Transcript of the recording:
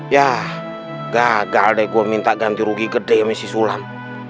yah gagal deh gue minta ganti rugi gede ya masih sulam